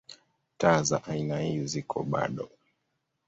Taa za aina ii ziko bado.